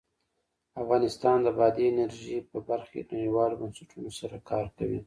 افغانستان د بادي انرژي په برخه کې نړیوالو بنسټونو سره کار کوي.